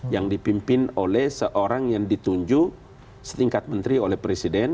yang dipimpin oleh seorang yang ditunjuk setingkat menteri oleh presiden